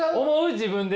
自分で。